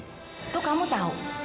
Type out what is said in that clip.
itu kamu tahu